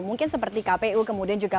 mungkin seperti kpu kemudian juga